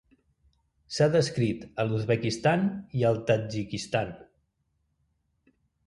S'ha descrit a l'Uzbekistan i al Tadjikistan.